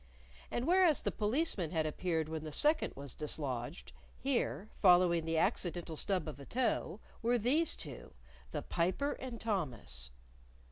And whereas the Policeman had appeared when the second was dislodged, here, following the accidental stub of a toe, were these two the Piper and Thomas.